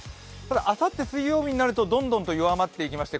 あさって水曜日になるとどんどん弱まっていきまして